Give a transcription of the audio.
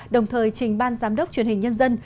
đồng thời trình ban giám đốc truyền hình nhân dân